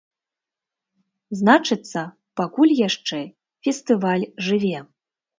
Значыцца, пакуль яшчэ фестываль жыве!